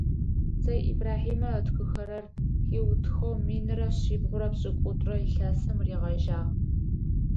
Цэй Ибрахьимэ ытхыхэрэр хиутыхэу минрэ шъибгъурэ пшӏыкӏутӏрэ илъэсым ригъэжьагъ.